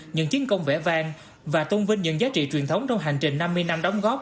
những chiến công vẽ vang và tôn vinh những giá trị truyền thống trong hành trình năm mươi năm đóng góp